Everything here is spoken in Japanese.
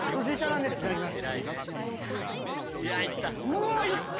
・うわいった！